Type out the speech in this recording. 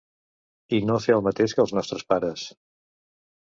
I no fer el mateix que els nostres pares.